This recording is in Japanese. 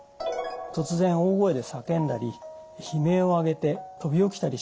突然大声で叫んだり悲鳴を上げて飛び起きたりします。